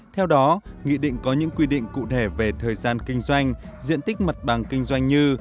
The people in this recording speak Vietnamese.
theo đó nghị định có những quy định cụ thể về thời gian kinh doanh diện tích mặt bằng kinh doanh như